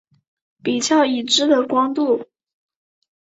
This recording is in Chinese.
比较已知的光度。